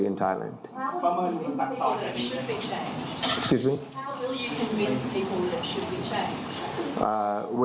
สำคัญว่ามรับตัวหมดคงว่าจะเปลี่ยนไม่ได้อย่างไร